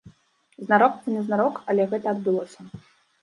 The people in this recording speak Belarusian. Знарок ці незнарок, але гэта адбылося.